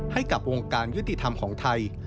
ให้กับวงการยุติธรรมของไทย